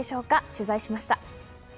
取材しました。